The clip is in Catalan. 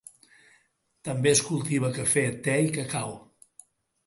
També es cultiva cafè, te i cacau.